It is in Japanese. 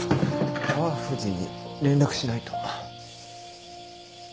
川藤に連絡しないと。